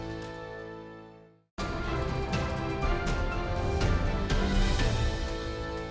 saya sudah berusaha untuk mencari atlet